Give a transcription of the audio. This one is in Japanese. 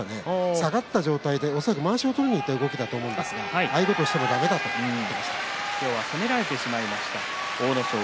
下がった状態で恐らくまわしを取りにいった動きだと思いますがああいうことをしていてはだめだと話していました。